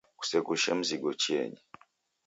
Kuseghushe mzigo chieni.